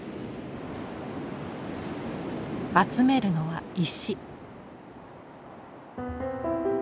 集めるのは石。